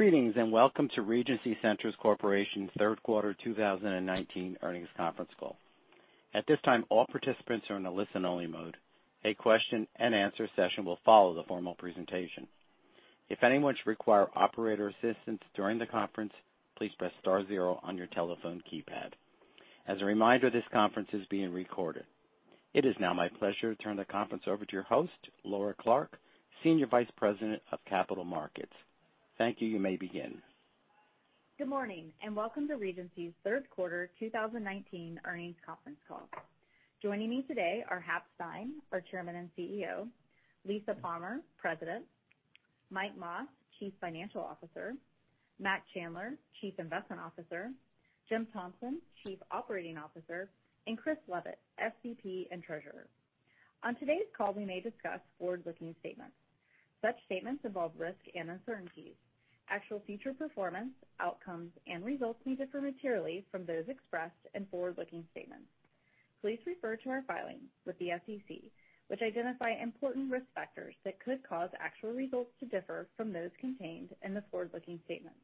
Greetings, and welcome to Regency Centers Corporation's third quarter 2019 earnings conference call. At this time, all participants are in a listen-only mode. A question and answer session will follow the formal presentation. If anyone require operator assistance during the conference, please press star zero on your telephone keypad. As a reminder, this conference is being recorded. It is now my pleasure to turn the conference over to your host, Laura Clark, Senior Vice President of Capital Markets. Thank you. You may begin. Good morning, and welcome to Regency's third quarter 2019 earnings conference call. Joining me today are Hap Stein, our Chairman and Chief Executive Officer; Lisa Palmer, President; Mike Mas, Chief Financial Officer; Mac Chandler, Chief Investment Officer; Jim Thompson, Chief Operating Officer; and Chris Leavitt, SVP and Treasurer. On today's call, we may discuss forward-looking statements. Such statements involve risk and uncertainties. Actual future performance, outcomes, and results may differ materially from those expressed in forward-looking statements. Please refer to our filings with the SEC, which identify important risk factors that could cause actual results to differ from those contained in the forward-looking statements.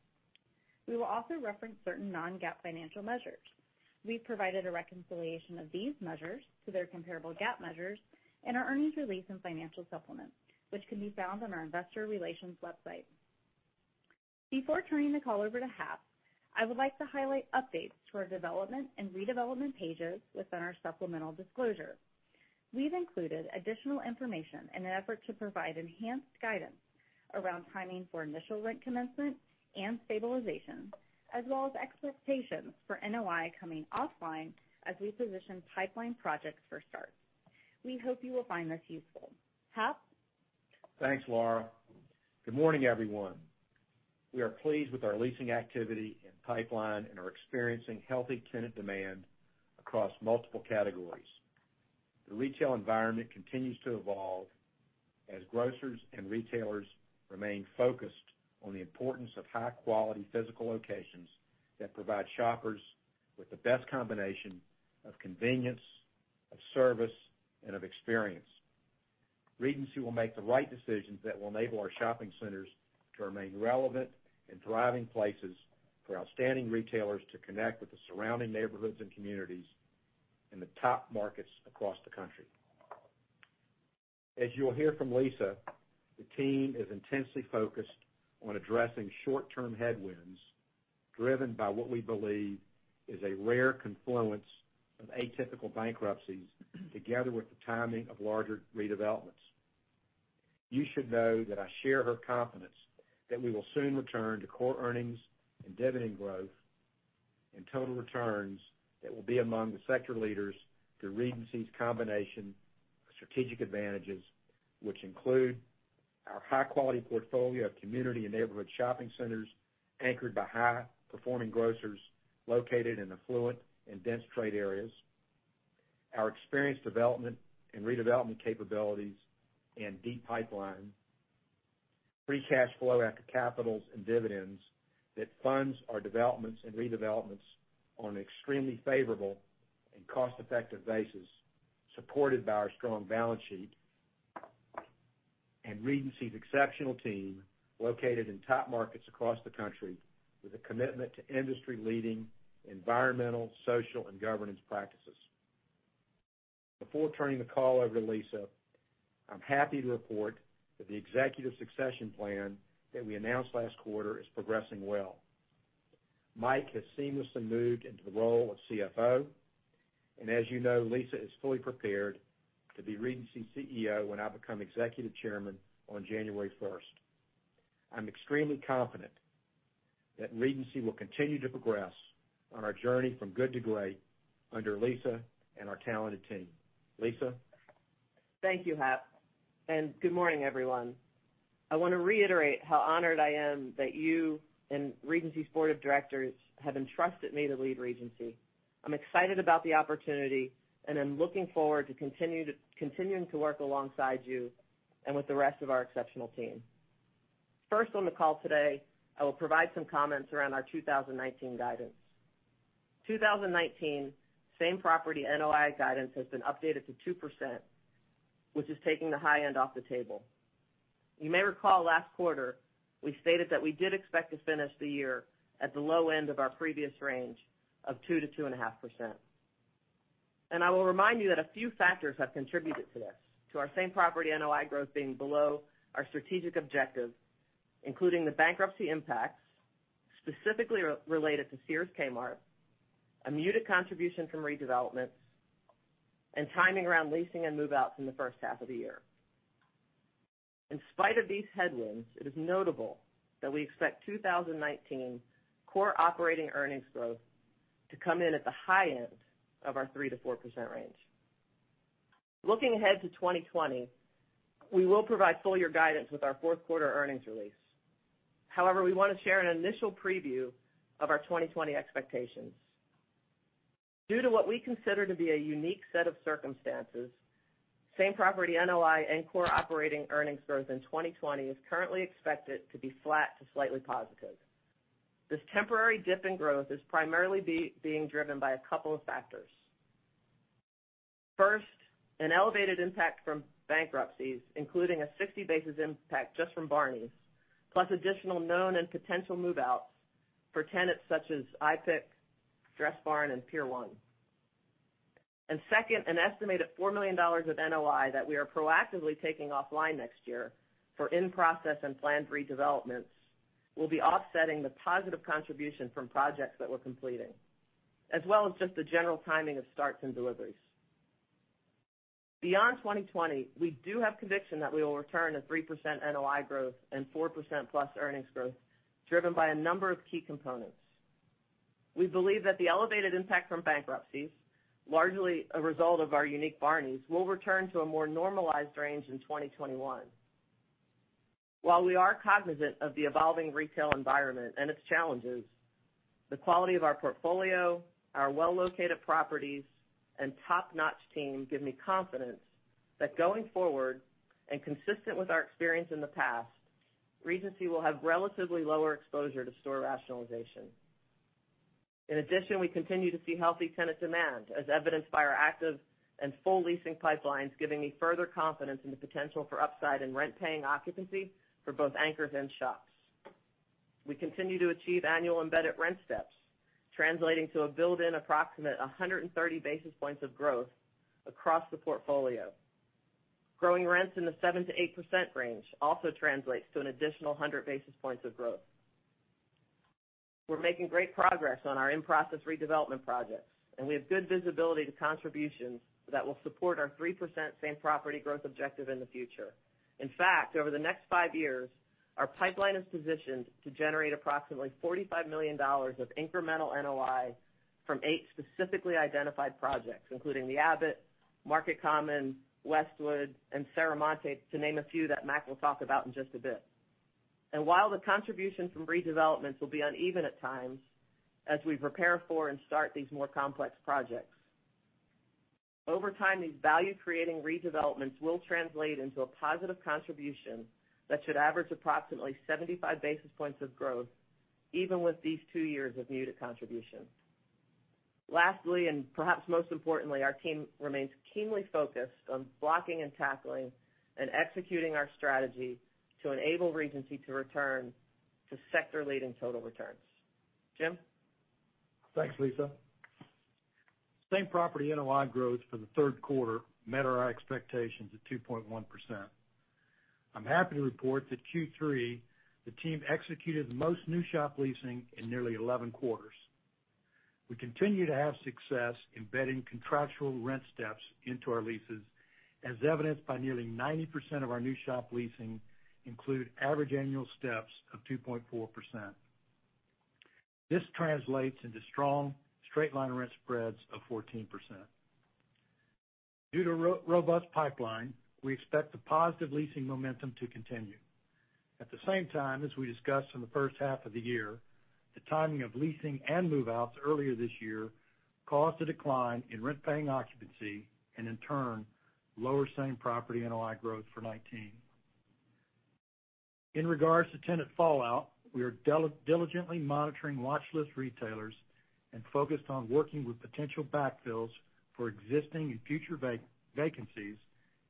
We will also reference certain non-GAAP financial measures. We've provided a reconciliation of these measures to their comparable GAAP measures in our earnings release and financial supplements, which can be found on our investor relations website. Before turning the call over to Hap, I would like to highlight updates to our development and redevelopment pages within our supplemental disclosure. We've included additional information in an effort to provide enhanced guidance around timing for initial rent commencement and stabilization, as well as expectations for NOI coming offline as we position pipeline projects for start. We hope you will find this useful. Hap? Thanks, Laura. Good morning, everyone. We are pleased with our leasing activity and pipeline and are experiencing healthy tenant demand across multiple categories. The retail environment continues to evolve as grocers and retailers remain focused on the importance of high-quality physical locations that provide shoppers with the best combination of convenience, of service, and of experience. Regency will make the right decisions that will enable our shopping centers to remain relevant and thriving places for outstanding retailers to connect with the surrounding neighborhoods and communities in the top markets across the country. As you will hear from Lisa, the team is intensely focused on addressing short-term headwinds driven by what we believe is a rare confluence of atypical bankruptcies together with the timing of larger redevelopments. You should know that I share her confidence that we will soon return to core earnings and dividend growth and total returns that will be among the sector leaders through Regency's combination of strategic advantages, which include our high-quality portfolio of community and neighborhood shopping centers anchored by high-performing grocers located in affluent and dense trade areas, our experienced development and redevelopment capabilities and deep pipeline, free cash flow after capitals and dividends that funds our developments and redevelopments on an extremely favorable and cost-effective basis, supported by our strong balance sheet, and Regency's exceptional team located in top markets across the country with a commitment to industry-leading environmental, social, and governance practices. Before turning the call over to Lisa, I'm happy to report that the executive succession plan that we announced last quarter is progressing well. Mike has seamlessly moved into the role of CFO, and as you know, Lisa is fully prepared to be Regency CEO when I become Executive Chairman on January 1st. I'm extremely confident that Regency will continue to progress on our journey from good to great under Lisa and our talented team. Lisa? Thank you, Hap, and good morning, everyone. I want to reiterate how honored I am that you and Regency's board of directors have entrusted me to lead Regency. I'm excited about the opportunity and am looking forward to continuing to work alongside you and with the rest of our exceptional team. First on the call today, I will provide some comments around our 2019 guidance. 2019 same-property NOI guidance has been updated to 2%, which is taking the high end off the table. You may recall last quarter we stated that we did expect to finish the year at the low end of our previous range of 2%-2.5%. I will remind you that a few factors have contributed to this, to our same-property NOI growth being below our strategic objectives, including the bankruptcy impacts, specifically related to Sears Kmart, a muted contribution from redevelopments, and timing around leasing and move-outs in the first half of the year. In spite of these headwinds, it is notable that we expect 2019 core operating earnings growth to come in at the high end of our 3%-4% range. Looking ahead to 2020, we will provide full year guidance with our fourth quarter earnings release. We want to share an initial preview of our 2020 expectations. Due to what we consider to be a unique set of circumstances, same-property NOI and core operating earnings growth in 2020 is currently expected to be flat to slightly positive. This temporary dip in growth is primarily being driven by a couple of factors. First, an elevated impact from bankruptcies, including a 60 basis impact just from Barneys, plus additional known and potential move-outs for tenants such as IPIC, Dressbarn, and Pier 1. Second, an estimated $4 million of NOI that we are proactively taking offline next year for in-process and planned redevelopments will be offsetting the positive contribution from projects that we're completing, as well as just the general timing of starts and deliveries. Beyond 2020, we do have conviction that we will return to 3% NOI growth and 4%+ earnings growth, driven by a number of key components. We believe that the elevated impact from bankruptcies, largely a result of our unique Barneys, will return to a more normalized range in 2021. While we are cognizant of the evolving retail environment and its challenges, the quality of our portfolio, our well-located properties, and top-notch team give me confidence that going forward, and consistent with our experience in the past, Regency will have relatively lower exposure to store rationalization. In addition, we continue to see healthy tenant demand as evidenced by our active and full leasing pipelines, giving me further confidence in the potential for upside in rent-paying occupancy for both anchors and shops. We continue to achieve annual embedded rent steps, translating to a built-in approximate 130 basis points of growth across the portfolio. Growing rents in the 7%-8% range also translates to an additional 100 basis points of growth. We're making great progress on our in-process redevelopment projects, and we have good visibility to contributions that will support our 3% same property growth objective in the future. In fact, over the next five years, our pipeline is positioned to generate approximately $45 million of incremental NOI from eight specifically identified projects, including the Abbot, Market Common, Westwood, and Serramonte, to name a few that Mac will talk about in just a bit. While the contribution from redevelopments will be uneven at times, as we prepare for and start these more complex projects, over time, these value-creating redevelopments will translate into a positive contribution that should average approximately 75 basis points of growth, even with these two years of muted contribution. Lastly, and perhaps most importantly, our team remains keenly focused on blocking and tackling and executing our strategy to enable Regency to return to sector-leading total returns. Jim? Thanks, Lisa. same-property NOI growth for the third quarter met our expectations at 2.1%. I'm happy to report that Q3, the team executed the most new shop leasing in nearly 11 quarters. We continue to have success embedding contractual rent steps into our leases, as evidenced by nearly 90% of our new shop leasing include average annual steps of 2.4%. This translates into strong straight-line rent spreads of 14%. Due to robust pipeline, we expect the positive leasing momentum to continue. At the same time, as we discussed in the first half of the year, the timing of leasing and move-outs earlier this year caused a decline in rent-paying occupancy, and in turn, lower same-property NOI growth for 2019. In regards to tenant fallout, we are diligently monitoring watch list retailers and focused on working with potential backfills for existing and future vacancies,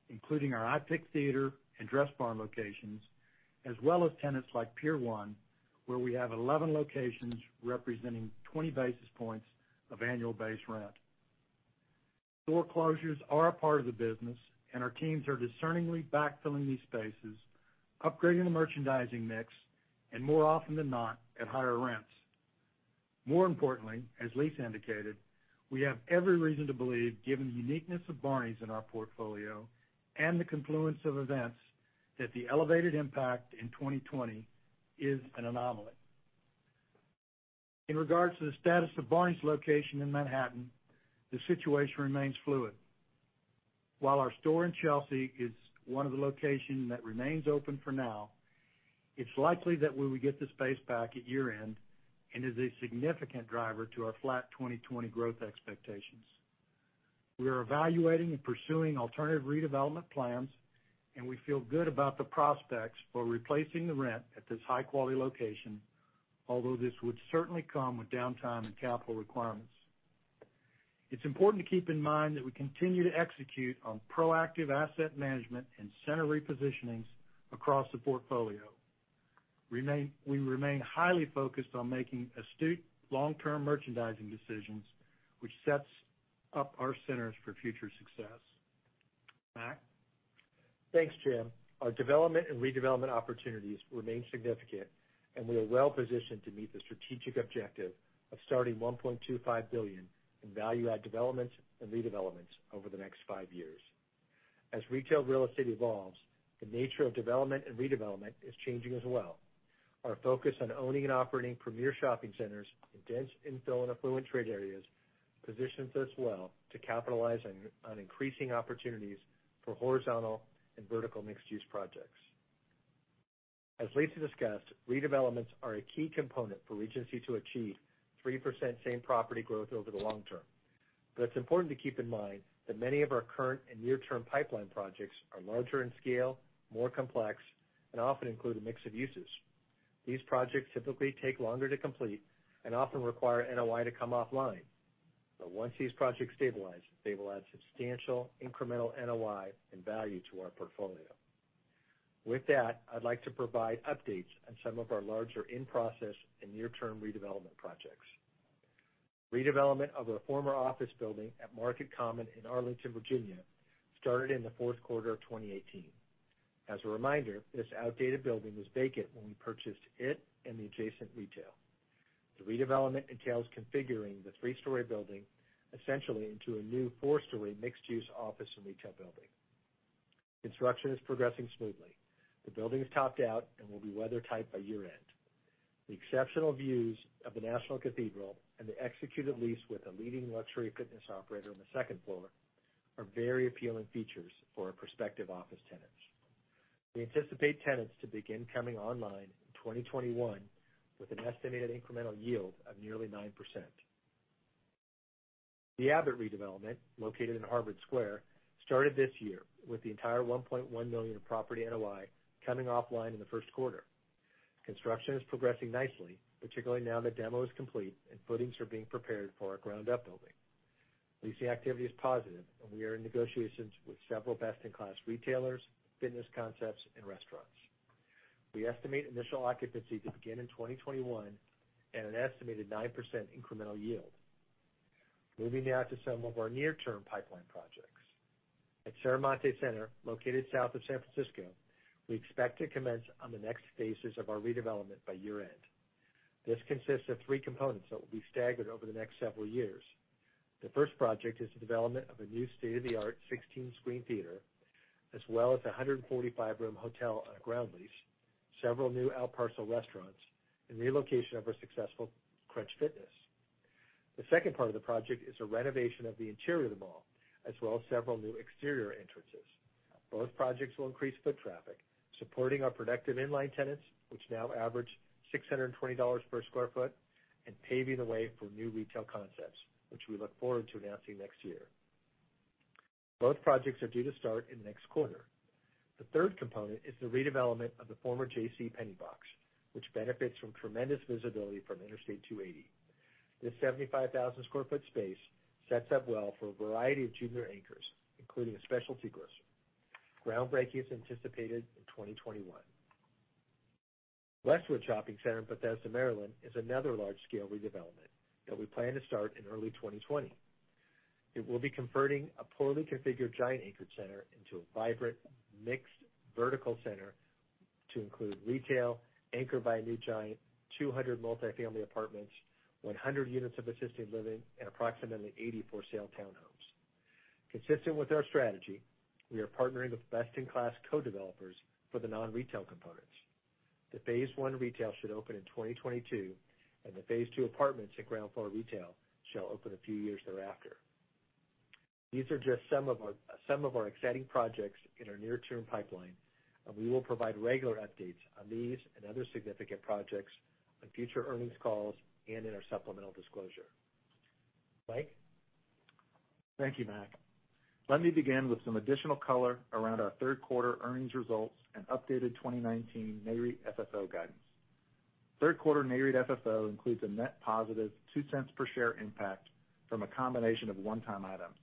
including our IPIC Theater and Dressbarn locations, as well as tenants like Pier 1, where we have 11 locations representing 20 basis points of annual base rent. Store closures are a part of the business, and our teams are discerningly backfilling these spaces, upgrading the merchandising mix, and more often than not, at higher rents. More importantly, as Lisa indicated, we have every reason to believe, given the uniqueness of Barneys in our portfolio and the confluence of events, that the elevated impact in 2020 is an anomaly. In regards to the status of Barneys' location in Manhattan, the situation remains fluid. While our store in Chelsea is one of the locations that remains open for now, it's likely that we will get the space back at year-end, and is a significant driver to our flat 2020 growth expectations. We are evaluating and pursuing alternative redevelopment plans, and we feel good about the prospects for replacing the rent at this high-quality location, although this would certainly come with downtime and capital requirements. It's important to keep in mind that we continue to execute on proactive asset management and center repositionings across the portfolio. We remain highly focused on making astute long-term merchandising decisions, which sets up our centers for future success. Mac? Thanks, Jim. Our development and redevelopment opportunities remain significant, and we are well-positioned to meet the strategic objective of starting $1.25 billion in value-add developments and redevelopments over the next five years. As retail real estate evolves, the nature of development and redevelopment is changing as well. Our focus on owning and operating premier shopping centers in dense, infill, and affluent trade areas positions us well to capitalize on increasing opportunities for horizontal and vertical mixed-use projects. As Lisa discussed, redevelopments are a key component for Regency to achieve 3% same-property growth over the long term. It's important to keep in mind that many of our current and near-term pipeline projects are larger in scale, more complex, and often include a mix of uses. These projects typically take longer to complete and often require NOI to come offline. Once these projects stabilize, they will add substantial incremental NOI and value to our portfolio. With that, I'd like to provide updates on some of our larger in-process and near-term redevelopment projects. Redevelopment of our former office building at Market Common in Arlington, Virginia, started in the fourth quarter of 2018. As a reminder, this outdated building was vacant when we purchased it and the adjacent retail. The redevelopment entails configuring the three-story building essentially into a new four-story mixed-use office and retail building. Construction is progressing smoothly. The building is topped out and will be weather-tight by year-end. The exceptional views of the National Cathedral and the executed lease with a leading luxury fitness operator on the second floor are very appealing features for our prospective office tenants. We anticipate tenants to begin coming online in 2021 with an estimated incremental yield of nearly 9%. The Abbot redevelopment, located in Harvard Square, started this year with the entire $1.1 million of property NOI coming offline in the first quarter. Construction is progressing nicely, particularly now that demo is complete, and footings are being prepared for our ground-up building. Leasing activity is positive. We are in negotiations with several best-in-class retailers, fitness concepts, and restaurants. We estimate initial occupancy to begin in 2021 and an estimated 9% incremental yield. Moving now to some of our near-term pipeline projects. At Serramonte Center, located south of San Francisco, we expect to commence on the next phases of our redevelopment by year-end. This consists of three components that will be staggered over the next several years. The first project is the development of a new state-of-the-art 16-screen theater, as well as 145-room hotel on a ground lease, several new outparcel restaurants, and relocation of our successful Crunch Fitness. The second part of the project is a renovation of the interior of the mall, as well as several new exterior entrances. Both projects will increase foot traffic, supporting our productive in-line tenants, which now average $620 per sq ft, and paving the way for new retail concepts, which we look forward to announcing next year. Both projects are due to start in the next quarter. The third component is the redevelopment of the former JCPenney box, which benefits from tremendous visibility from Interstate 280. This 75,000 sq ft space sets up well for a variety of junior anchors, including a specialty grocer. Groundbreaking is anticipated in 2021. Westwood Shopping Center in Bethesda, Maryland, is another large-scale redevelopment that we plan to start in early 2020. It will be converting a poorly configured Giant-anchored center into a vibrant, mixed vertical center to include retail anchored by a new Giant, 200 multi-family apartments, 100 units of assisted living, and approximately 80 for-sale townhomes. Consistent with our strategy, we are partnering with best-in-class co-developers for the non-retail components. The phase 1 retail should open in 2022, and the phase 2 apartments and ground floor retail shall open a few years thereafter. These are just some of our exciting projects in our near-term pipeline, and we will provide regular updates on these and other significant projects on future earnings calls and in our supplemental disclosure. Mike? Thank you, Mac. Let me begin with some additional color around our third quarter earnings results and updated 2019 NAREIT FFO guidance. Third quarter NAREIT FFO includes a net positive $0.02 per share impact from a combination of one-time items.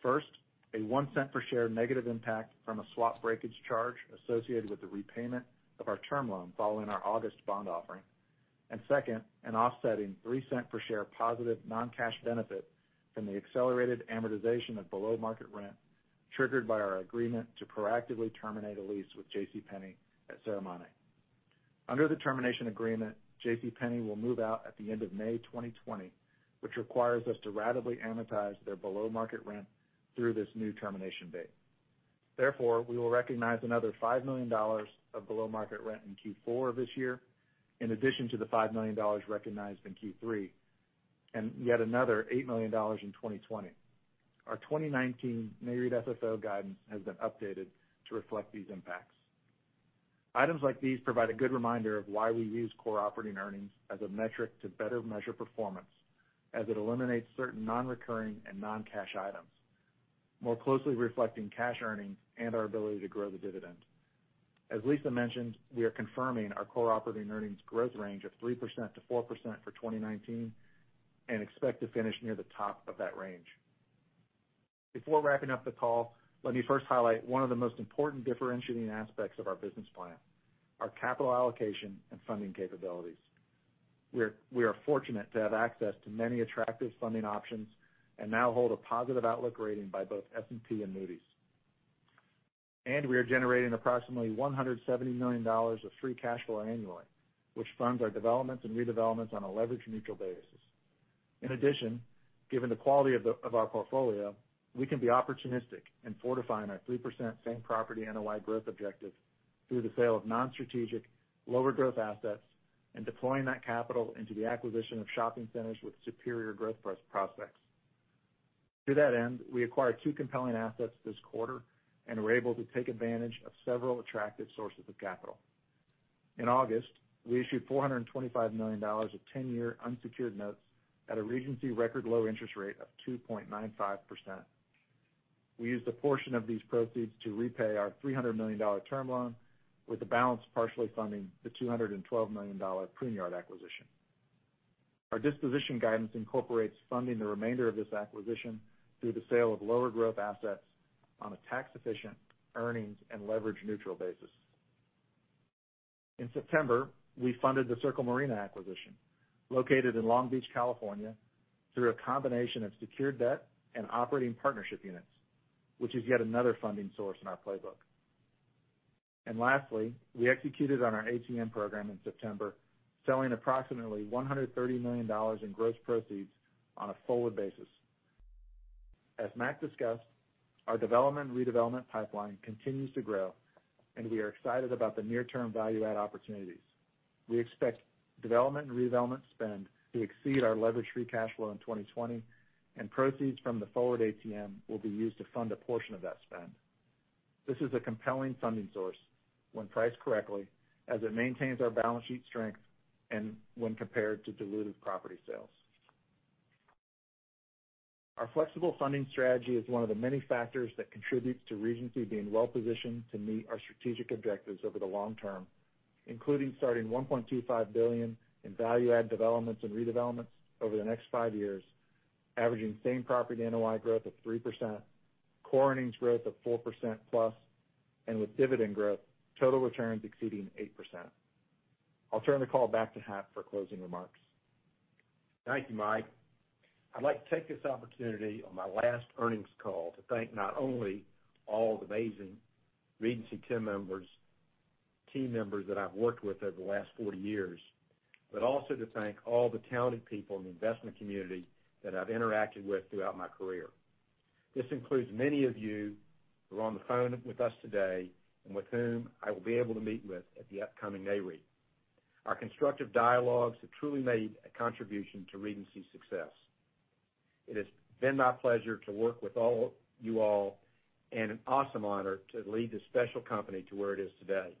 First, a $0.01 per share negative impact from a swap breakage charge associated with the repayment of our term loan following our August bond offering. Second, an offsetting $0.03 per share positive non-cash benefit from the accelerated amortization of below-market rent triggered by our agreement to proactively terminate a lease with JCPenney at Serramonte. Under the termination agreement, JCPenney will move out at the end of May 2020, which requires us to ratably amortize their below-market rent through this new termination date. We will recognize another $5 million of below-market rent in Q4 of this year, in addition to the $5 million recognized in Q3, and yet another $8 million in 2020. Our 2019 Nareit FFO guidance has been updated to reflect these impacts. Items like these provide a good reminder of why we use core operating earnings as a metric to better measure performance, as it eliminates certain non-recurring and non-cash items, more closely reflecting cash earnings and our ability to grow the dividend. As Lisa mentioned, we are confirming our core operating earnings growth range of 3%-4% for 2019 and expect to finish near the top of that range. Before wrapping up the call, let me first highlight one of the most important differentiating aspects of our business plan, our capital allocation and funding capabilities. We are fortunate to have access to many attractive funding options and now hold a positive outlook rating by both S&P and Moody's. We are generating approximately $170 million of free cash flow annually, which funds our developments and redevelopments on a leverage-neutral basis. In addition, given the quality of our portfolio, we can be opportunistic in fortifying our 3% same-property NOI growth objective through the sale of non-strategic, lower-growth assets and deploying that capital into the acquisition of shopping centers with superior growth prospects. To that end, we acquired two compelling assets this quarter and were able to take advantage of several attractive sources of capital. In August, we issued $425 million of 10-year unsecured notes at a Regency record low interest rate of 2.95%. We used a portion of these proceeds to repay our $300 million term loan, with the balance partially funding the $212 million The Pruneyard acquisition. Our disposition guidance incorporates funding the remainder of this acquisition through the sale of lower growth assets on a tax-efficient, earnings, and leverage-neutral basis. In September, we funded the Circle Marina acquisition, located in Long Beach, California, through a combination of secured debt and operating partnership units, which is yet another funding source in our playbook. Lastly, we executed on our ATM program in September, selling approximately $130 million in gross proceeds on a forward basis. As Mac discussed, our development and redevelopment pipeline continues to grow, and we are excited about the near-term value add opportunities. We expect development and redevelopment spend to exceed our leverage free cash flow in 2020, and proceeds from the forward ATM will be used to fund a portion of that spend. This is a compelling funding source when priced correctly, as it maintains our balance sheet strength and when compared to diluted property sales. Our flexible funding strategy is one of the many factors that contributes to Regency being well-positioned to meet our strategic objectives over the long term, including starting $1.25 billion in value add developments and redevelopments over the next five years, averaging same-property NOI growth of 3%, core earnings growth of 4% plus, and with dividend growth, total returns exceeding 8%. I'll turn the call back to Hap for closing remarks. Thank you, Mike. I'd like to take this opportunity on my last earnings call to thank not only all the amazing Regency team members that I've worked with over the last 40 years, but also to thank all the talented people in the investment community that I've interacted with throughout my career. This includes many of you who are on the phone with us today and with whom I will be able to meet with at the upcoming Nareit. Our constructive dialogues have truly made a contribution to Regency's success. It has been my pleasure to work with you all and an awesome honor to lead this special company to where it is today.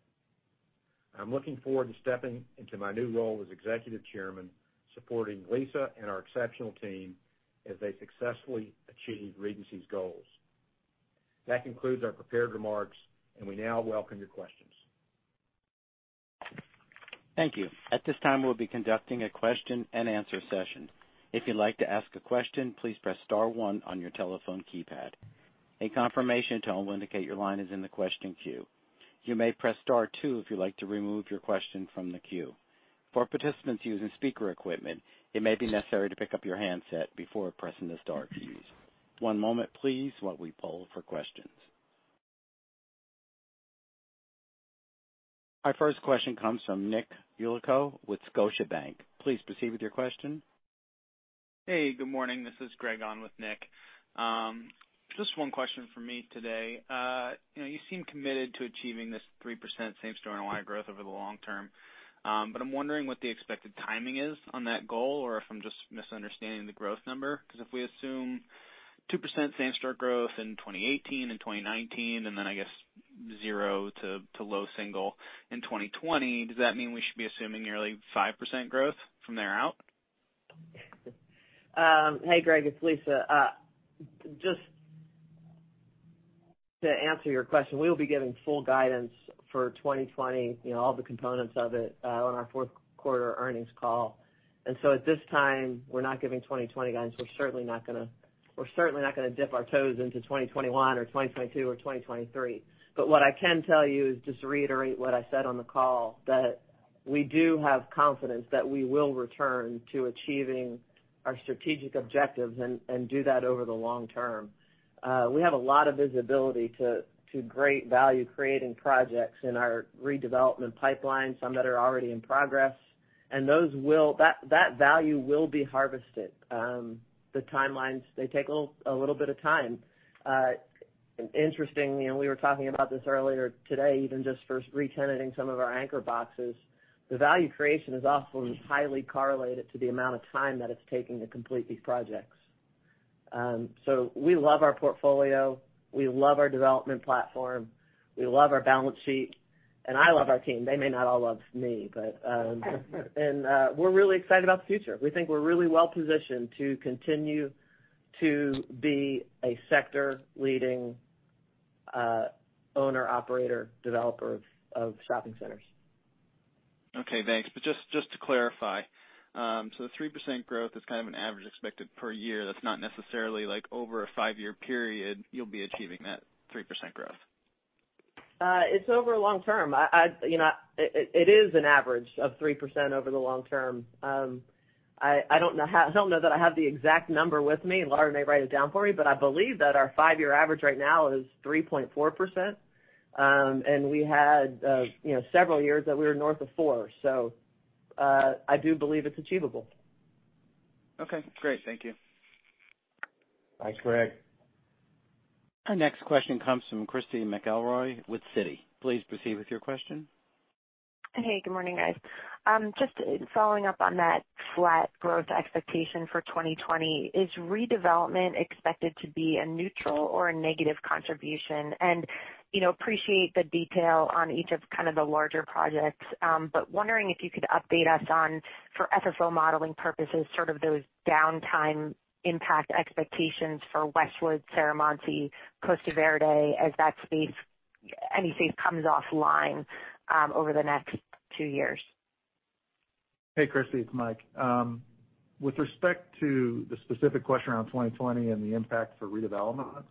I'm looking forward to stepping into my new role as executive chairman, supporting Lisa and our exceptional team as they successfully achieve Regency's goals. That concludes our prepared remarks, and we now welcome your questions. Thank you. At this time, we'll be conducting a question and answer session. If you'd like to ask a question, please press star one on your telephone keypad. A confirmation tone will indicate your line is in the question queue. You may press star two if you'd like to remove your question from the queue. For participants using speaker equipment, it may be necessary to pick up your handset before pressing the star keys. One moment please, while we poll for questions. Our first question comes from Nicholas Yulico with Scotiabank. Please proceed with your question. Hey, good morning. This is Greg on with Nick. Just one question from me today. You seem committed to achieving this 3% same-store NOI growth over the long term. I'm wondering what the expected timing is on that goal, or if I'm just misunderstanding the growth number. If we assume 2% same-store growth in 2018 and 2019, and then I guess zero to low single in 2020, does that mean we should be assuming nearly 5% growth from there out? Hey, Greg. It's Lisa. Just to answer your question, we will be giving full guidance for 2020, all the components of it, on our fourth-quarter earnings call. At this time, we're not giving 2020 guidance. We're certainly not going to dip our toes into 2021 or 2022 or 2023. What I can tell you is just to reiterate what I said on the call, that we do have confidence that we will return to achieving our strategic objectives and do that over the long term. We have a lot of visibility to great value-creating projects in our redevelopment pipeline, some that are already in progress. That value will be harvested. The timelines, they take a little bit of time. Interestingly, we were talking about this earlier today, even just for retenanting some of our anchor boxes. The value creation is often highly correlated to the amount of time that it's taking to complete these projects. We love our portfolio. We love our development platform. We love our balance sheet, and I love our team. They may not all love me. We're really excited about the future. We think we're really well-positioned to continue to be a sector-leading owner, operator, developer of shopping centers. Okay, thanks. Just to clarify, the 3% growth is kind of an average expected per year. That's not necessarily like over a five-year period you'll be achieving that 3% growth. It's over long term. It is an average of 3% over the long term. I don't know that I have the exact number with me. Laura may write it down for me, but I believe that our five-year average right now is 3.4%, and we had several years that we were north of four. I do believe it's achievable. Okay, great. Thank you. Thanks, Greg. Our next question comes from Christy McElroy with Citi. Please proceed with your question. Hey, good morning, guys. Just following up on that flat growth expectation for 2020. Is redevelopment expected to be a neutral or a negative contribution? Appreciate the detail on each of kind of the larger projects. Wondering if you could update us on, for FFO modeling purposes, sort of those downtime impact expectations for Westwood, Serramonte, Costa Verde as that space, anything comes offline over the next two years. Hey, Christy, it's Mike. With respect to the specific question around 2020 and the impact for redevelopments,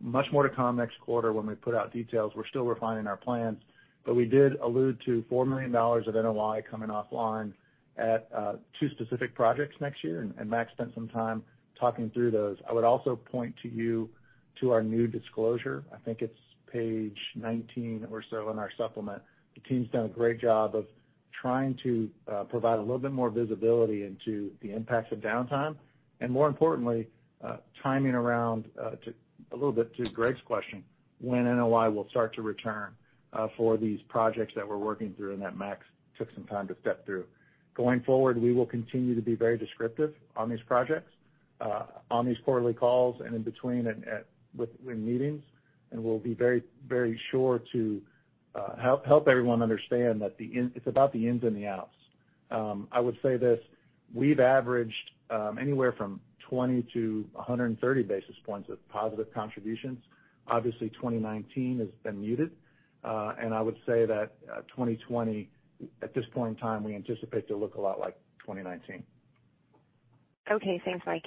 much more to come next quarter when we put out details. We're still refining our plans. We did allude to $4 million of NOI coming offline at two specific projects next year, and Mac spent some time talking through those. I would also point to you to our new disclosure. I think it's page 19 or so in our supplement. The team's done a great job of trying to provide a little bit more visibility into the impacts of downtime, and more importantly, timing around, a little bit to Greg's question, when NOI will start to return for these projects that we're working through and that Mac took some time to step through. Going forward, we will continue to be very descriptive on these projects, on these quarterly calls and in between in meetings. We'll be very sure to help everyone understand that it's about the ins and the outs. I would say this, we've averaged anywhere from 20 to 130 basis points of positive contributions. Obviously, 2019 has been muted. I would say that 2020, at this point in time, we anticipate to look a lot like 2019. Okay. Thanks, Mike.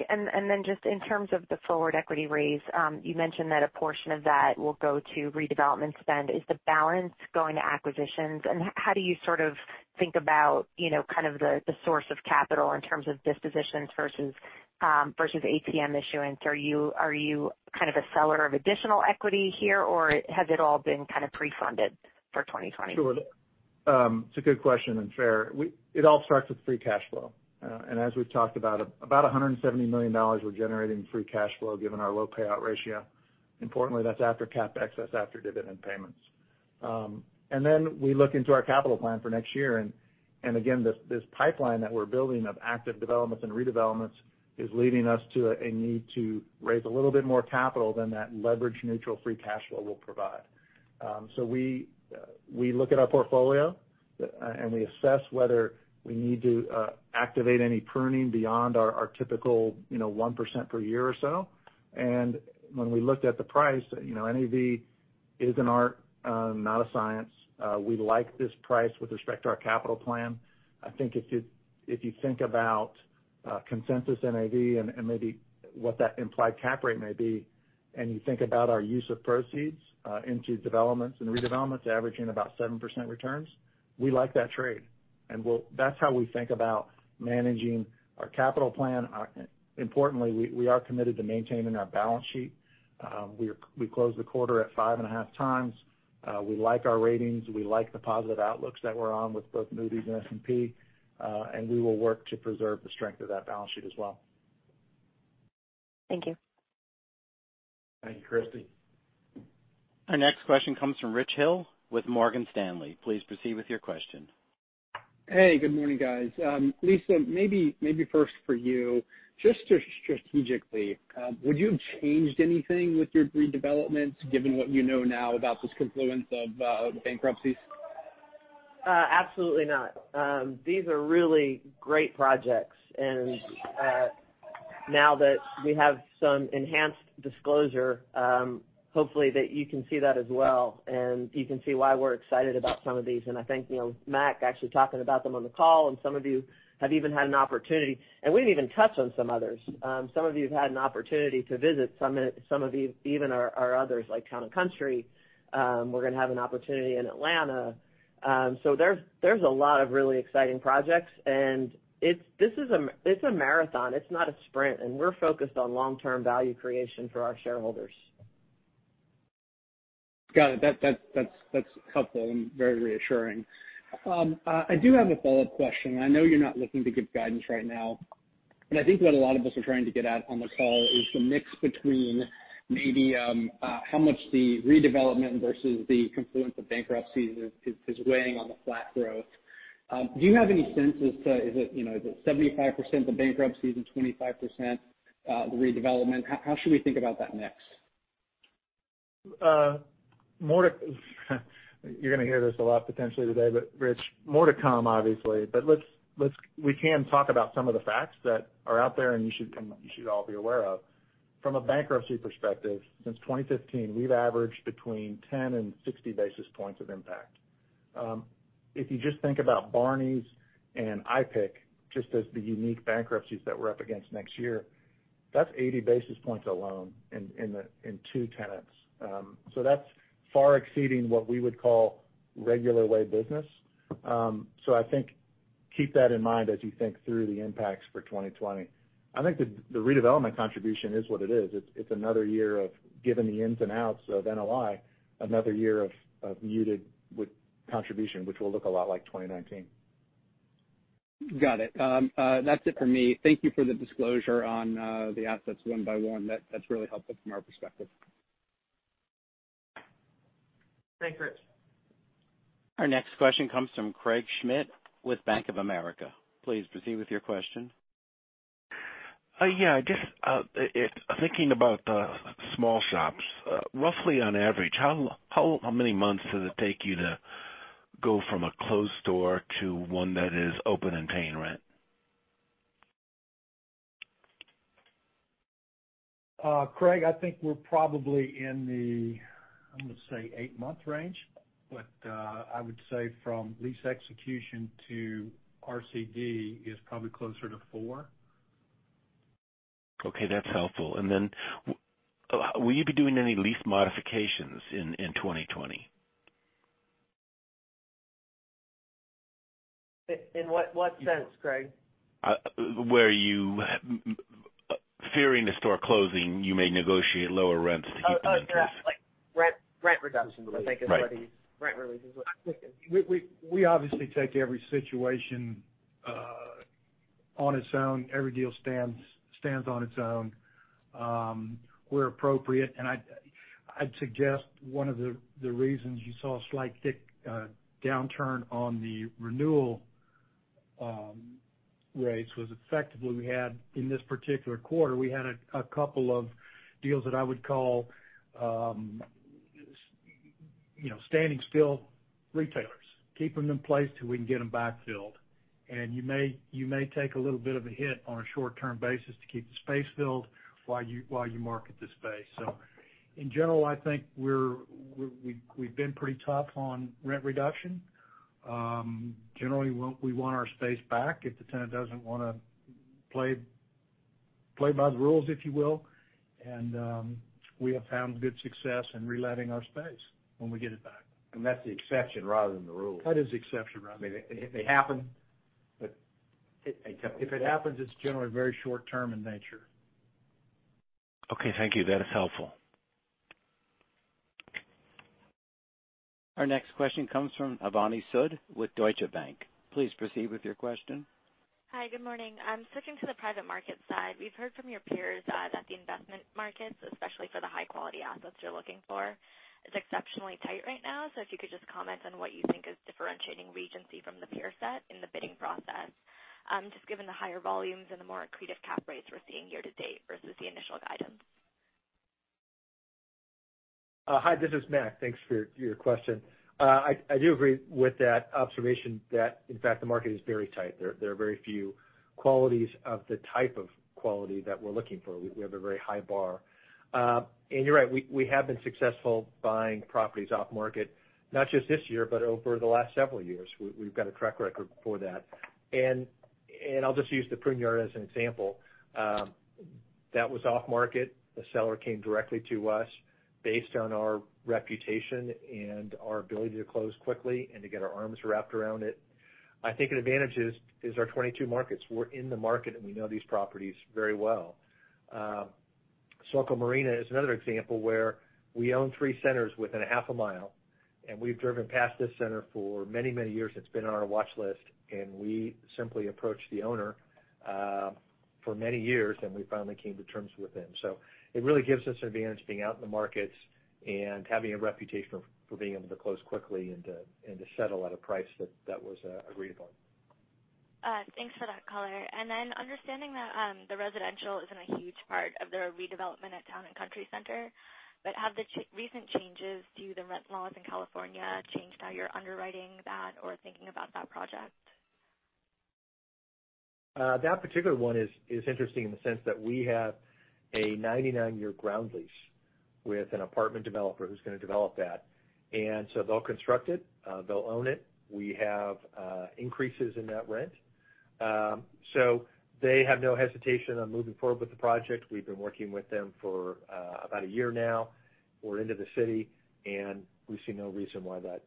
Just in terms of the forward equity raise, you mentioned that a portion of that will go to redevelopment spend. Is the balance going to acquisitions? How do you sort of think about kind of the source of capital in terms of dispositions versus ATM issuance? Are you kind of a seller of additional equity here, or has it all been kind of pre-funded for 2020? Sure. It's a good question and fair. It all starts with free cash flow. As we've talked about $170 million we're generating in free cash flow given our low payout ratio. Importantly, that's after CapEx, after dividend payments. Then we look into our capital plan for next year. Again, this pipeline that we're building of active developments and redevelopments is leading us to a need to raise a little bit more capital than that leverage-neutral free cash flow will provide. We look at our portfolio, and we assess whether we need to activate any pruning beyond our typical 1% per year or so. When we looked at the price, NAV is an art, not a science. We like this price with respect to our capital plan. I think if you think about consensus NAV and maybe what that implied cap rate may be, you think about our use of proceeds into developments and redevelopments averaging about 7% returns, we like that trade. That's how we think about managing our capital plan. Importantly, we are committed to maintaining our balance sheet. We closed the quarter at 5.5 times. We like our ratings. We like the positive outlooks that we're on with both Moody's and S&P. We will work to preserve the strength of that balance sheet as well. Thank you. Thank you, Christy. Our next question comes from Rich Hill with Morgan Stanley. Please proceed with your question. Hey, good morning, guys. Lisa, maybe first for you. Just strategically, would you have changed anything with your redevelopments given what you know now about this confluence of the bankruptcies? Absolutely not. These are really great projects. Now that we have some enhanced disclosure, hopefully that you can see that as well, and you can see why we're excited about some of these. I think Mac actually talking about them on the call, and some of you have even had an opportunity. We didn't even touch on some others. Some of you have had an opportunity to visit some of even our others, like Town & Country. We're going to have an opportunity in Atlanta. There's a lot of really exciting projects, and it's a marathon. It's not a sprint. We're focused on long-term value creation for our shareholders. Got it. That's helpful and very reassuring. I do have a follow-up question. I know you're not looking to give guidance right now, but I think what a lot of us are trying to get at on the call is the mix between maybe how much the redevelopment versus the confluence of bankruptcies is weighing on the flat growth. Do you have any sense as to, is it 75% the bankruptcies and 25% the redevelopment? How should we think about that mix? You're going to hear this a lot potentially today. Rich, more to come, obviously. We can talk about some of the facts that are out there, and you should all be aware of. From a bankruptcy perspective, since 2015, we've averaged between 10 and 60 basis points of impact. If you just think about Barneys and IPIC, just as the unique bankruptcies that we're up against next year, that's 80 basis points alone in two tenants. That's far exceeding what we would call regular way business. I think keep that in mind as you think through the impacts for 2020. I think the redevelopment contribution is what it is. It's another year of giving the ins and outs of NOI, another year of muted contribution, which will look a lot like 2019. Got it. That's it for me. Thank you for the disclosure on the assets one by one. That's really helpful from our perspective. Thanks, Rich. Our next question comes from Craig Schmidt with Bank of America. Please proceed with your question. Yeah, just thinking about the small shops. Roughly on average, how many months does it take you to go from a closed store to one that is open and paying rent? Craig, I think we're probably in the, I'm going to say, eight-month range. I would say from lease execution to RCD is probably closer to four. Okay, that's helpful. Will you be doing any lease modifications in 2020? In what sense, Craig? Where you, fearing the store closing, you may negotiate lower rents to keep them in place. Oh, like rent reduction. Rent reduction. I think Rent reduction is what. We obviously take every situation on its own. Every deal stands on its own, where appropriate. I'd suggest one of the reasons you saw a slight tick downturn on the renewal rates was effectively we had, in this particular quarter, we had a couple of deals that I would call standing still retailers, keeping them in place till we can get them back-filled. You may take a little bit of a hit on a short-term basis to keep the space filled while you market the space. In general, I think we've been pretty tough on rent reduction. Generally, we want our space back if the tenant doesn't want to play by the rules, if you will. We have found good success in reletting our space when we get it back. That's the exception rather than the rule. That is the exception rather than the rule. They happen. If it happens, it's generally very short-term in nature. Okay, thank you. That is helpful. Our next question comes from Avani Sood with Deutsche Bank. Please proceed with your question. Hi, good morning. Switching to the private market side, we've heard from your peers that the investment markets, especially for the high-quality assets you're looking for, is exceptionally tight right now. If you could just comment on what you think is differentiating Regency from the peer set in the bidding process. Just given the higher volumes and the more accretive cap rates we're seeing year to date versus the initial guidance. Hi, this is Mac. Thanks for your question. I do agree with that observation that, in fact, the market is very tight. There are very few qualities of the type of quality that we're looking for. We have a very high bar. You're right, we have been successful buying properties off-market, not just this year, but over the last several years. We've got a track record for that. I'll just use The Pruneyard as an example. That was off-market. The seller came directly to us based on our reputation and our ability to close quickly and to get our arms wrapped around it. I think an advantage is our 22 markets. We're in the market, and we know these properties very well. Circle Marina Center is another example where we own three centers within a half a mile, and we've driven past this center for many, many years. It's been on our watch list, and we simply approached the owner for many years, and we finally came to terms with them. It really gives us an advantage being out in the markets and having a reputation for being able to close quickly and to settle at a price that was agreed upon. Thanks for that color. Understanding that the residential isn't a huge part of the redevelopment at Town and Country Center, but have the recent changes to the rent laws in California changed how you're underwriting that or thinking about that project? That particular one is interesting in the sense that we have a 99-year ground lease with an apartment developer who's going to develop that. They'll construct it, they'll own it. We have increases in that rent. They have no hesitation on moving forward with the project. We've been working with them for about a year now. We're into the city, and we see no reason why that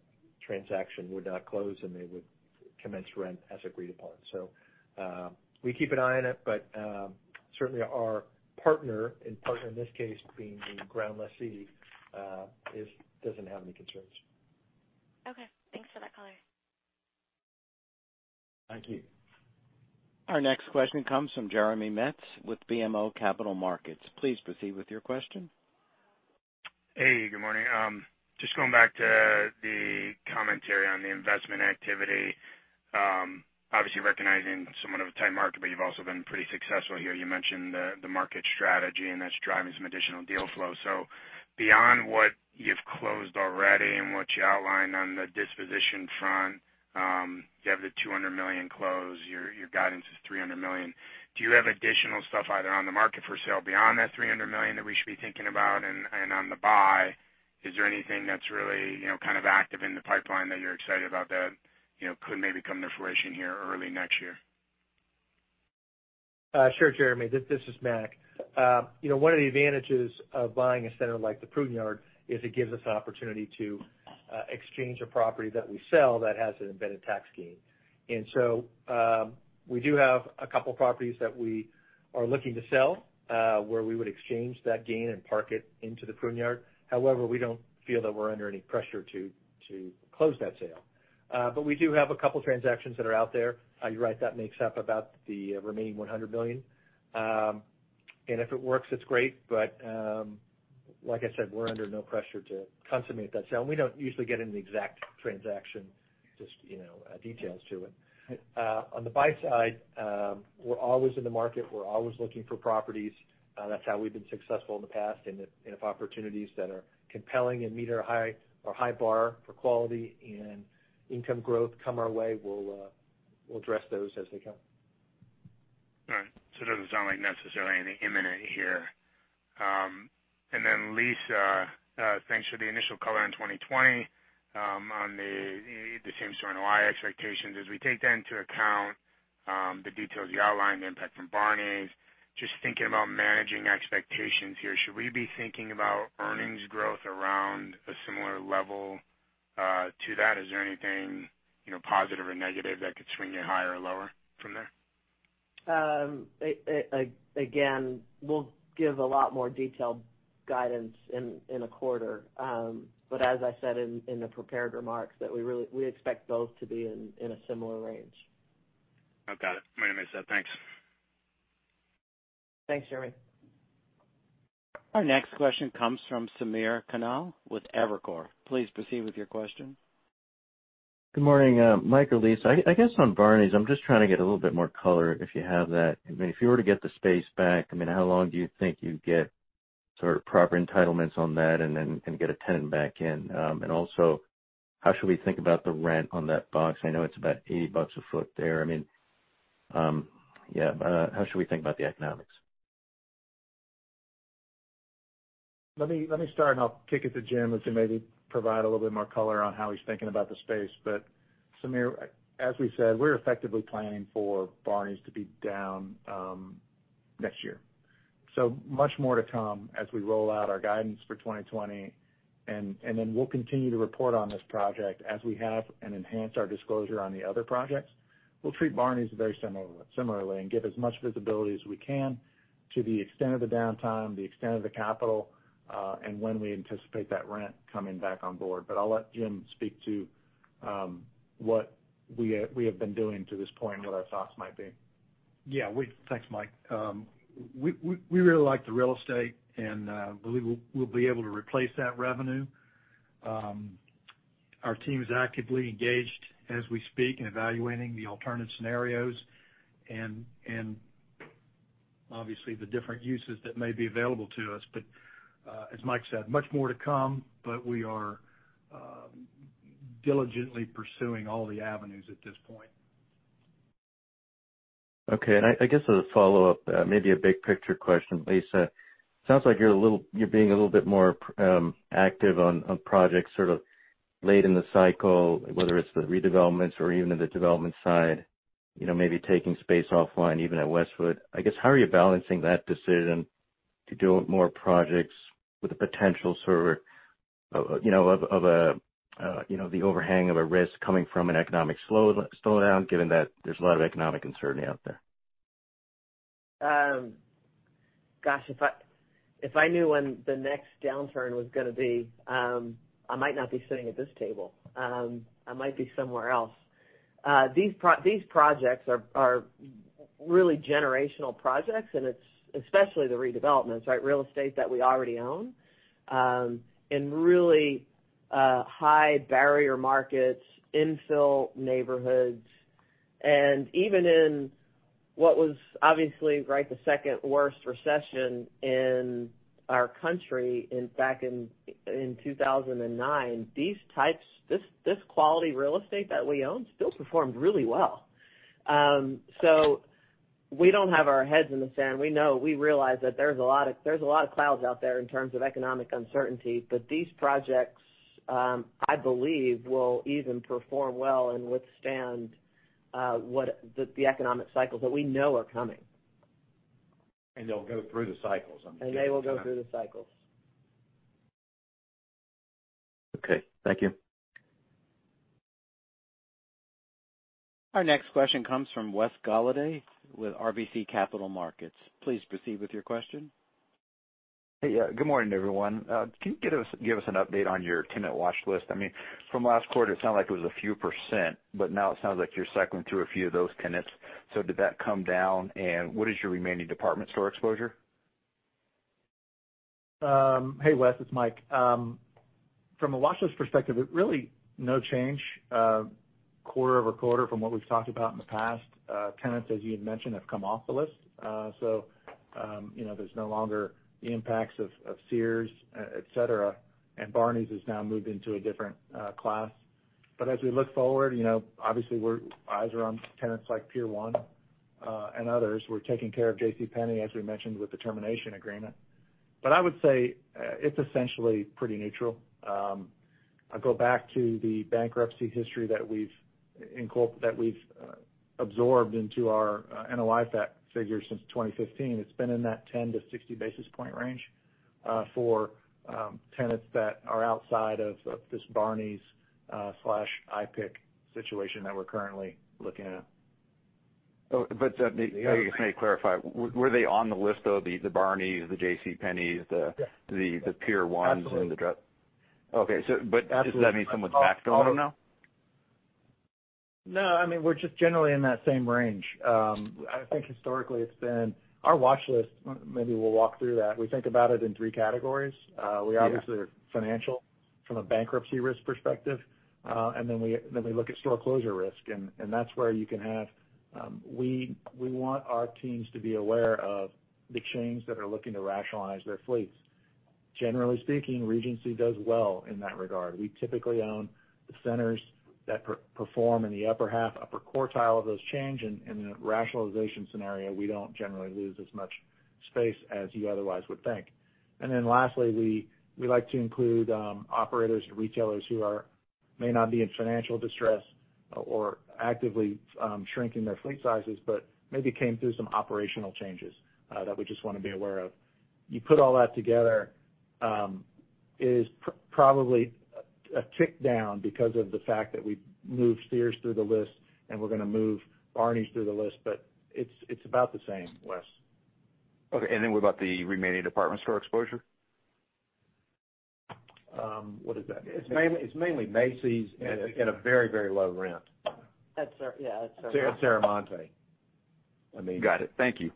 transaction would not close, and they would commence rent as agreed upon. We keep an eye on it, but certainly our partner, and partner in this case being the ground lessee, doesn't have any concerns. Okay. Thanks for that color. Thank you. Our next question comes from Jeremy Metz with BMO Capital Markets. Please proceed with your question. Hey, good morning. Just going back to the commentary on the investment activity. Obviously recognizing somewhat of a tight market, you've also been pretty successful here. You mentioned the market strategy, that's driving some additional deal flow. Beyond what you've closed already and what you outlined on the disposition front, you have the $200 million close. Your guidance is $300 million. Do you have additional stuff either on the market for sale beyond that $300 million that we should be thinking about? On the buy, is there anything that's really kind of active in the pipeline that you're excited about that could maybe come to fruition here early next year? Sure, Jeremy. This is Mac. One of the advantages of buying a center like The Pruneyard is it gives us an opportunity to exchange a property that we sell that has an embedded tax gain. We do have a couple properties that we are looking to sell where we would exchange that gain and park it into The Pruneyard. However, we don't feel that we're under any pressure to close that sale. We do have a couple transactions that are out there. You're right, that makes up about the remaining $100 million. If it works, it's great, but like I said, we're under no pressure to consummate that sale. We don't usually get into the exact transaction, just details to it. On the buy side, we're always in the market. We're always looking for properties. That's how we've been successful in the past. If opportunities that are compelling and meet our high bar for quality and income growth come our way, we'll. We'll address those as they come. All right. It doesn't sound like necessarily anything imminent here. Lisa, thanks for the initial color on 2020, on the same-store NOI expectations. As we take that into account, the details you outlined, the impact from Barneys, just thinking about managing expectations here, should we be thinking about earnings growth around a similar level to that? Is there anything positive or negative that could swing you higher or lower from there? Again, we'll give a lot more detailed guidance in a quarter. As I said in the prepared remarks, that we expect both to be in a similar range. I've got it. My mistake. Thanks. Thanks, Jeremy. Our next question comes from Samir Khanal with Evercore. Please proceed with your question. Good morning, Mike or Lisa. I guess on Barneys, I'm just trying to get a little bit more color, if you have that. If you were to get the space back, how long do you think you'd get sort of proper entitlements on that and then can get a tenant back in? Also, how should we think about the rent on that box? I know it's about $80 a foot there. How should we think about the economics? Let me start, and I'll kick it to Jim as he maybe provide a little bit more color on how he's thinking about the space. Samir, as we said, we're effectively planning for Barneys to be down next year. Much more to come as we roll out our guidance for 2020. We'll continue to report on this project. As we have and enhance our disclosure on the other projects, we'll treat Barneys very similarly and give as much visibility as we can to the extent of the downtime, the extent of the capital, and when we anticipate that rent coming back on board. I'll let Jim speak to what we have been doing to this point and what our thoughts might be. Thanks, Mike. We really like the real estate, and believe we'll be able to replace that revenue. Our team's actively engaged as we speak in evaluating the alternate scenarios, and obviously, the different uses that may be available to us. As Mike said, much more to come, but we are diligently pursuing all the avenues at this point. Okay. I guess as a follow-up, maybe a big picture question, Lisa. Sounds like you're being a little bit more active on projects sort of late in the cycle, whether it's the redevelopments or even in the development side, maybe taking space offline even at Westwood. I guess, how are you balancing that decision to do more projects with a potential sort of the overhang of a risk coming from an economic slowdown, given that there's a lot of economic uncertainty out there? Gosh, if I knew when the next downturn was gonna be, I might not be sitting at this table. I might be somewhere else. These projects are really generational projects, and it's especially the redevelopments, real estate that we already own, in really high barrier markets, infill neighborhoods. Even in what was obviously the second worst recession in our country back in 2009, this quality real estate that we own still performed really well. We don't have our heads in the sand. We know, we realize that there's a lot of clouds out there in terms of economic uncertainty, but these projects, I believe, will even perform well and withstand the economic cycles that we know are coming. They'll go through the cycles. They will go through the cycles. Okay. Thank you. Our next question comes from Wesley Golladay with RBC Capital Markets. Please proceed with your question. Hey, good morning, everyone. Can you give us an update on your tenant watch list? From last quarter, it sounded like it was a few %, but now it sounds like you're cycling through a few of those tenants. Did that come down, and what is your remaining department store exposure? Hey, Wes, it's Mike. From a watchlist perspective, really no change quarter-over-quarter from what we've talked about in the past. Tenants, as you had mentioned, have come off the list. There's no longer the impacts of Sears, et cetera, and Barneys has now moved into a different class. As we look forward, obviously eyes are on tenants like Pier 1, and others. We're taking care of JCPenney, as we mentioned, with the termination agreement. I would say, it's essentially pretty neutral. I'd go back to the bankruptcy history that we've absorbed into our [NOI impact] figures since 2015. It's been in that 10-60 basis point range for tenants that are outside of this Barneys/IPIC situation that we're currently looking at. Can I clarify, were they on the list, though, the Barneys, the JCPenneys, the Pier 1s and the? Absolutely. Okay. Does that mean someone's back on it now? No, we're just generally in that same range. I think historically it's been our watchlist, maybe we'll walk through that. We think about it in three categories. Yeah. We obviously are financial from a bankruptcy risk perspective. We look at store closure risk, and that's where we want our teams to be aware of the chains that are looking to rationalize their fleets. Generally speaking, Regency does well in that regard. We typically own the centers that perform in the upper half, upper quartile of those chains, in the rationalization scenario, we don't generally lose as much space as you otherwise would think. Lastly, we like to include operators and retailers who may not be in financial distress or actively shrinking their fleet sizes, but maybe came through some operational changes that we just want to be aware of. You put all that together, is probably a tick down because of the fact that we've moved Sears through the list, and we're going to move Barneys through the list, but it's about the same, Wes. Okay, what about the remaining department store exposure? What is that? It's mainly Macy's at a very low rent. That's right, yeah. Serramonte. Got it. Thank you.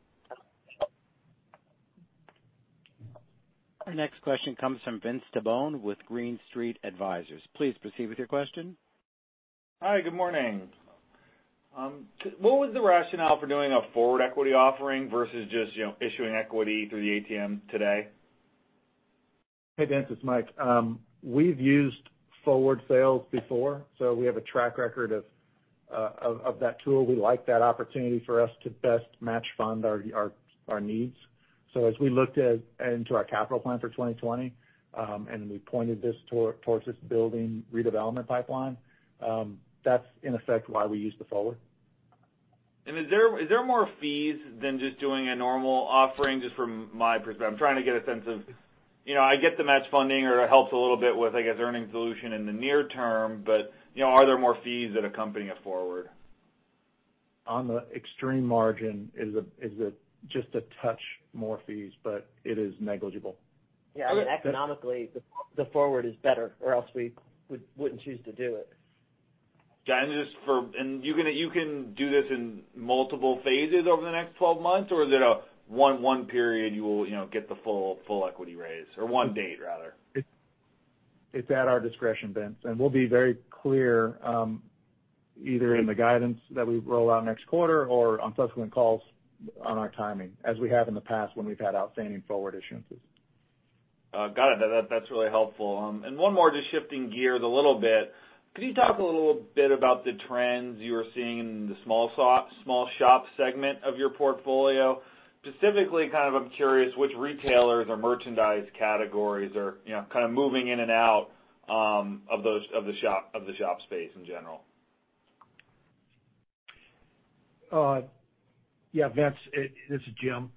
Our next question comes from Vince Tibone with Green Street Advisors. Please proceed with your question. Hi, good morning. What was the rationale for doing a forward equity offering versus just issuing equity through the ATM today? Hey, Vince, it's Mike. We've used forward sales before, so we have a track record of that tool. We like that opportunity for us to best match fund our needs. As we looked into our capital plan for 2020, and we pointed this towards this building redevelopment pipeline, that's in effect why we used the forward. Is there more fees than just doing a normal offering? Just from my perspective, I'm trying to get a sense of, I get the match funding or it helps a little bit with, I guess, earning dilution in the near term, but are there more fees that accompany a forward? On the extreme margin is just a touch more fees, but it is negligible. Yeah, economically, the forward is better or else we wouldn't choose to do it. Got it. You can do this in multiple phases over the next 12 months, or is it a one period, you will get the full equity raise or one date, rather? It's at our discretion, Vince, and we'll be very clear, either in the guidance that we roll out next quarter or on subsequent calls on our timing, as we have in the past when we've had outstanding forward issuances. Got it. That's really helpful. One more, just shifting gears a little bit. Could you talk a little bit about the trends you're seeing in the small shop segment of your portfolio? Specifically, I'm curious which retailers or merchandise categories are kind of moving in and out of the shop space in general. Yeah, Vince, it's Jim.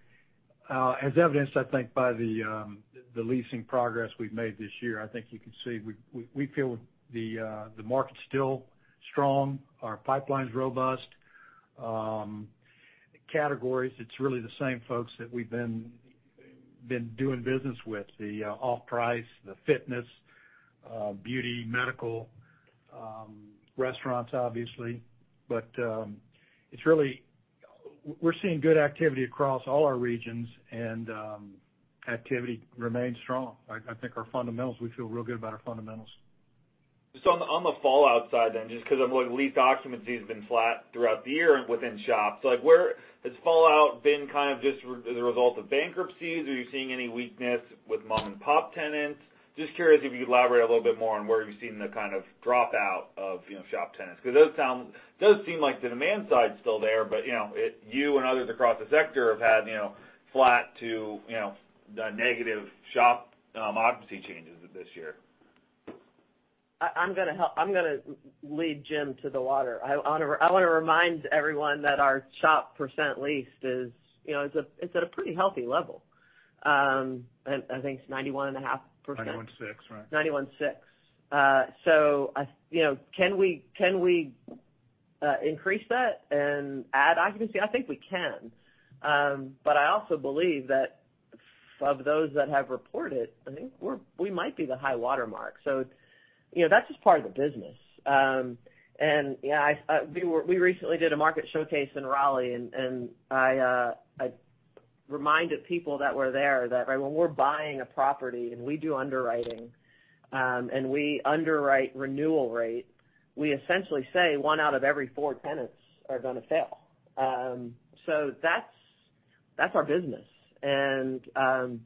As evidenced, I think, by the leasing progress we've made this year, I think you can see we feel the market's still strong, our pipeline's robust. Categories, it's really the same folks that we've been doing business with, the off-price, the fitness, beauty, medical, restaurants, obviously. We're seeing good activity across all our regions, and activity remains strong. I think our fundamentals, we feel real good about our fundamentals. On the fallout side then, just because of what leased occupancy has been flat throughout the year within shops, has fallout been kind of just the result of bankruptcies? Are you seeing any weakness with mom and pop tenants? Just curious if you could elaborate a little bit more on where you're seeing the kind of dropout of shop tenants, because it does seem like the demand side's still there, but you and others across the sector have had flat to the negative shop occupancy changes this year. I'm going to lead Jim to the water. I want to remind everyone that our shop % leased is at a pretty healthy level. I think it's 91.5%. 91.6, right. 91.6. Can we increase that and add occupancy? I think we can. I also believe that of those that have reported, I think we might be the high watermark. That's just part of the business. Yeah, we recently did a market showcase in Raleigh, and I reminded people that were there that when we're buying a property and we do underwriting, and we underwrite renewal rate, we essentially say one out of every four tenants are going to fail. That's our business. The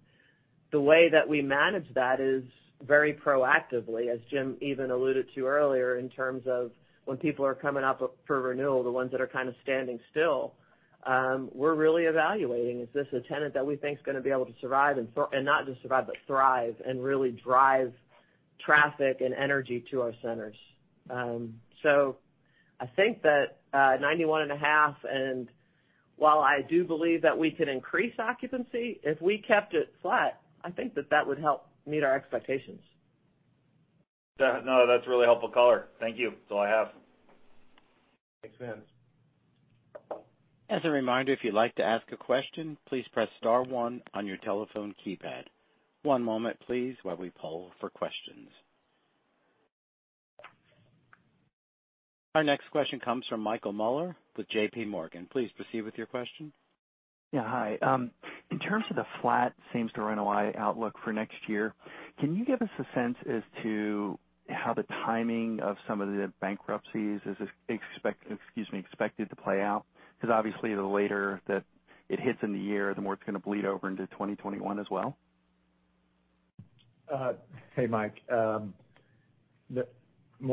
way that we manage that is very proactively, as Jim even alluded to earlier, in terms of when people are coming up for renewal, the ones that are kind of standing still, we're really evaluating. Is this a tenant that we think is going to be able to survive and not just survive, but thrive and really drive traffic and energy to our centers? I think that 91.5%, and while I do believe that we can increase occupancy, if we kept it flat, I think that that would help meet our expectations. No, that's a really helpful color. Thank you. That's all I have. Thanks, Vince. As a reminder, if you'd like to ask a question, please press star one on your telephone keypad. One moment, please, while we poll for questions. Our next question comes from Michael Mueller with JP Morgan. Please proceed with your question. Yeah. Hi. In terms of the flat same-store NOI outlook for next year. Can you give us a sense as to how the timing of some of the bankruptcies is expected to play out? Because obviously, the later that it hits in the year, the more it's going to bleed over into 2021 as well. Hey, Mike. More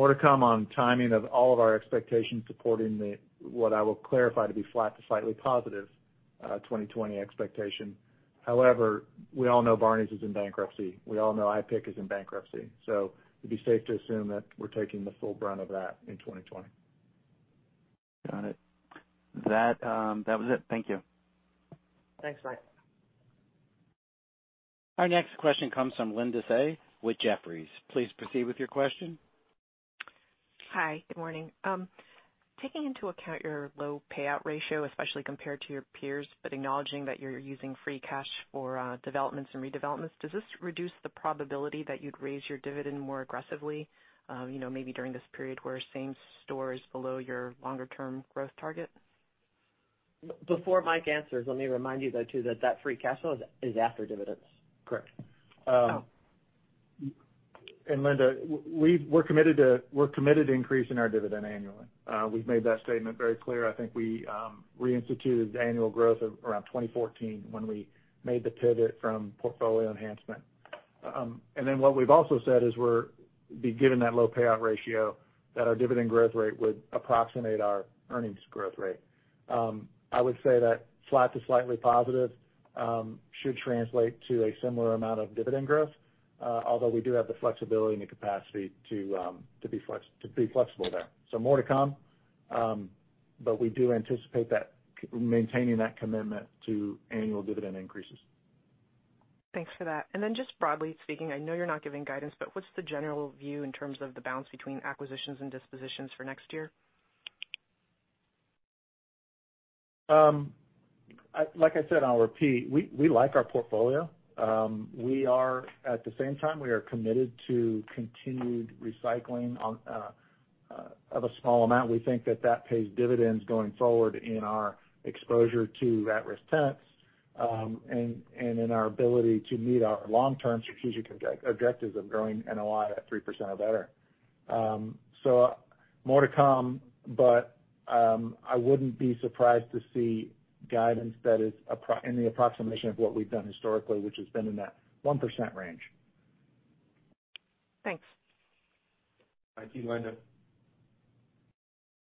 to come on timing of all of our expectations supporting what I will clarify to be flat to slightly positive 2020 expectation. We all know Barneys is in bankruptcy. We all know IPIC is in bankruptcy. It'd be safe to assume that we're taking the full brunt of that in 2020. Got it. That was it. Thank you. Thanks, Mike. Our next question comes from Linda Tsai with Jefferies. Please proceed with your question. Hi, good morning. Taking into account your low payout ratio, especially compared to your peers, but acknowledging that you're using free cash for developments and redevelopments, does this reduce the probability that you'd raise your dividend more aggressively, maybe during this period where same store is below your longer term growth target? Before Mike answers, let me remind you though, too, that free cash flow is after dividends. Correct. Oh. Linda, we're committed to increasing our dividend annually. We've made that statement very clear. I think we reinstituted the annual growth around 2014 when we made the pivot from portfolio enhancement. What we've also said is, given that low payout ratio, that our dividend growth rate would approximate our earnings growth rate. I would say that flat to slightly positive should translate to a similar amount of dividend growth. Although we do have the flexibility and the capacity to be flexible there. More to come, but we do anticipate maintaining that commitment to annual dividend increases. Thanks for that. Just broadly speaking, I know you're not giving guidance, but what's the general view in terms of the balance between acquisitions and dispositions for next year? Like I said, and I'll repeat, we like our portfolio. At the same time, we are committed to continued recycling of a small amount. We think that that pays dividends going forward in our exposure to at-risk tenants, and in our ability to meet our long-term strategic objectives of growing NOI at 3% or better. More to come, but I wouldn't be surprised to see guidance that is in the approximation of what we've done historically, which has been in that 1% range. Thanks. Thank you, Linda.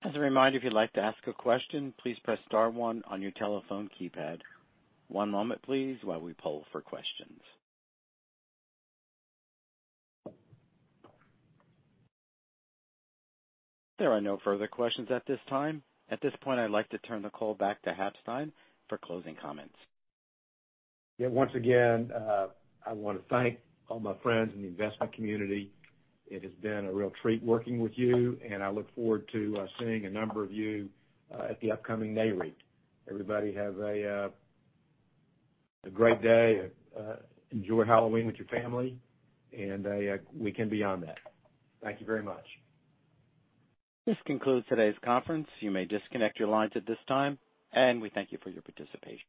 As a reminder, if you'd like to ask a question, please press star one on your telephone keypad. One moment please, while we poll for questions. There are no further questions at this time. At this point, I'd like to turn the call back to Hap Stein for closing comments. Once again, I want to thank all my friends in the investment community. It has been a real treat working with you, and I look forward to seeing a number of you at the upcoming Nareit. Everybody have a great day. Enjoy Halloween with your family, and weekend beyond that. Thank you very much. This concludes today's conference. You may disconnect your lines at this time, and we thank you for your participation.